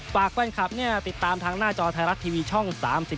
ฝากแฟนคลับติดตามทางหน้าจอไทยรัฐทีวีช่อง๓๒